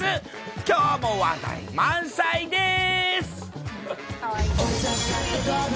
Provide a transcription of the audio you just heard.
きょうも話題満載です。